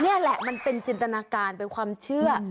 นี่แหละมันเป็นจินตนาการเป็นความเชื่อ